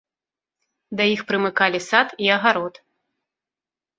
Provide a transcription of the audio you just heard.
Да іх прымыкалі сад і агарод.